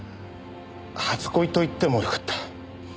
初恋と言ってもよかった。